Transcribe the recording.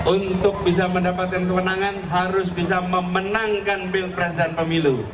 untuk bisa mendapatkan kewenangan harus bisa memenangkan pilpres dan pemilu